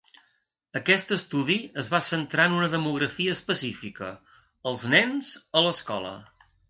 Aquest estudi es va centrar en una demografia específica: els nens a l"escola.